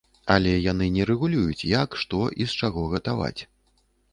Але яны не рэгулююць як, што і з чаго гатаваць.